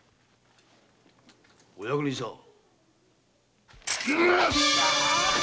お役人さん？